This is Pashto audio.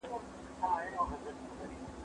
بل موږك سو د جرگې منځته ور وړاندي